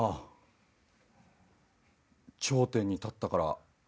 頂点に立ったから。